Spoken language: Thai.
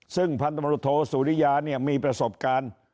ซึ่งพันธบทสุริยามีประสบการณ์